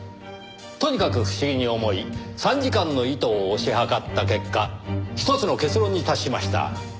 とにかく不思議に思い参事官の意図を推し量った結果ひとつの結論に達しました。